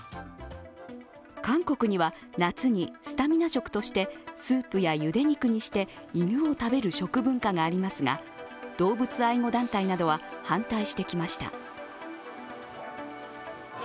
韓国には、夏にスタミナ食としてスープや、ゆで肉にして犬を食べる食文化がありますが、動物愛護団体などは反対してきました。